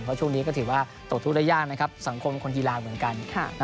เพราะช่วงนี้ก็ถือว่าตกทุกข์ได้ยากนะครับสังคมคนกีฬาเหมือนกัน